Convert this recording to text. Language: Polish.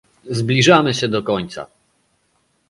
Zbliżamy się do końca